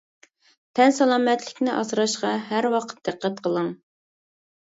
تەن سالامەتلىكنى ئاسراشقا ھەر ۋاقىت دىققەت قىلىڭ.